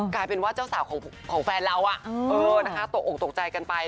กลายเป็นว่าเจ้าสาวของแฟนเราตกออกตกใจกันไป